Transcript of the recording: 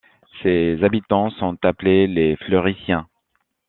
Ses habitants sont appelés les Fleurysiens.